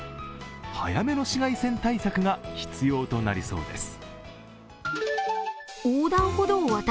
早めの紫外線対策が必要となりそうです。